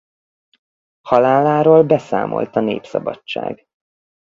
Haláláról beszámolt a Népszabadság.